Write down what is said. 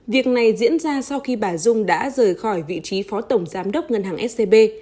việc này diễn ra sau khi bà dung đã rời khỏi vị trí phó tổng giám đốc ngân hàng scb